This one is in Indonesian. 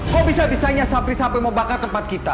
kok bisa bisanya sabri sampai membakar tempat kita